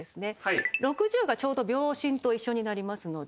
６０がちょうど秒針と一緒になりますので。